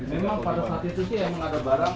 memang pada saat itu sih emang ada barang